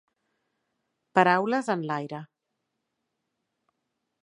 Paraules en l'aire.